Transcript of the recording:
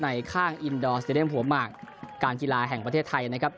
ข้างอินดอร์สเตรียมหัวหมากการกีฬาแห่งประเทศไทยนะครับ